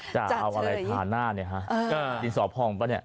จะเอาอะไรทาหน้าเนี่ยฮะดินสอพองป่ะเนี่ย